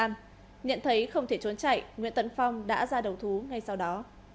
nhận thấy không thể trốn chạy nguyễn tấn phong đã ra đầu thú ngay sau đó